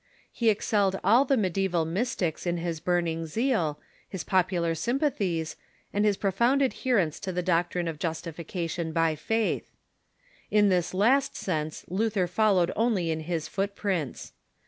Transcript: He excelled all the mediffival Mystics in his burning zeal, his pop ular sympathies, and his profound adherence to the doctrine of justification by faith. In this last sense Luther followed only in his footprints.